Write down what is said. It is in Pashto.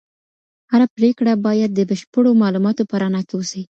هره پریکړه باید د بشپړو معلوماتو په رڼا کي وسي.